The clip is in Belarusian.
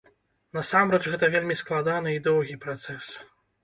Насамрэч, гэта вельмі складаны і доўгі працэс.